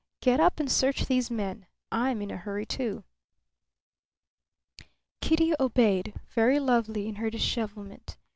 Get up and search these men. I'm in a hurry, too." Kitty obeyed, very lovely in her dishevelment.